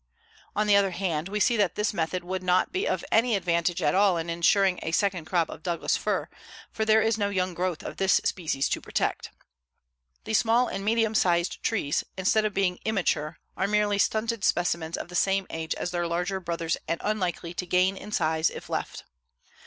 On the other hand, we see that this method would not be of any advantage at all in insuring a second crop of Douglas fir, for there is no young growth of this species to protect. The small and medium sized trees, instead of being immature, are merely stunted specimens of the same age as their larger brothers and unlikely to gain in size if left.